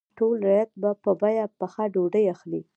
ټول رعیت به په بیه پخه ډوډۍ اخلي.